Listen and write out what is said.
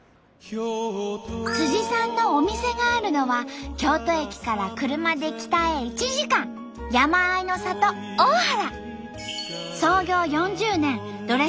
さんのお店があるのは京都駅から車で北へ１時間山あいの里大原。